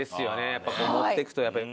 やっぱ持っていくとやっぱり。